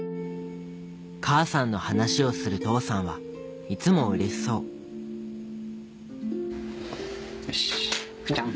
母さんの話をする父さんはいつもうれしそうよし福ちゃん。